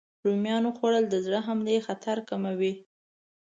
رومیان خوړل د زړه حملې خطر کموي.